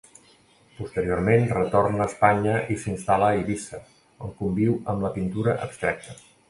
Posteriorment retorna a Espanya i s'instal·la a Eivissa on conviu amb la pintura abstracta.